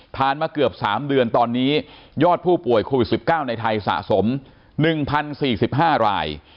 มาเกือบ๓เดือนตอนนี้ยอดผู้ป่วยโควิด๑๙ในไทยสะสม๑๐๔๕ราย